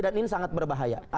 dan ini sangat berbahaya